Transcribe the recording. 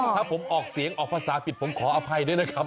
ถ้าผมออกเสียงออกภาษาผิดผมขออภัยด้วยนะครับ